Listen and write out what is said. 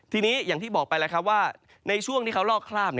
ทีนี้อย่างที่บอกไปแล้วครับว่าในช่วงที่เขาลอกคราบ